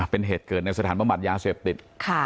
เป็นเหตุเกิดในสถานบำบัดยาเสพติด